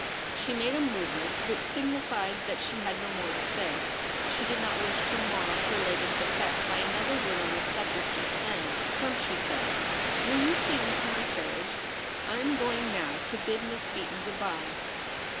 She made a movement which signified that she had no more to say. She did not wish to mar her latest effect by another word on the subject just then. ' Come,' she said, ' will you see me to my carriage ? I am going now to bid Miss Beaton good bye.'